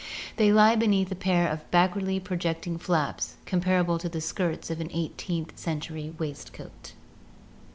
They lie beneath a pair of backwardly pro jecting flaps comparable to the skirts of an eighteenth century waist coat.